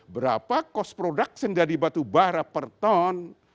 berapa cost production dari batu bara per ton